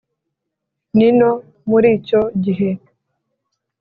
. Ni no muri icyo gihe